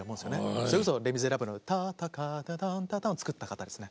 それこそ「レ・ミゼラブル」のタンタタンタターンを作った方ですね。